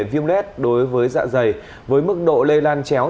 viêm lết đối với dạ dày với mức độ lây lan chéo